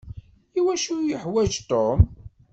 I wacu iyi-yuḥwaǧ Tom?